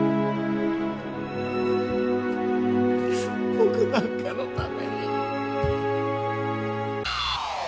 ぼくなんかのために。